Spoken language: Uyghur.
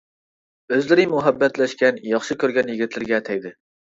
ئۆزلىرى مۇھەببەتلەشكەن، ياخشى كۆرگەن يىگىتلىرىگە تەگدى.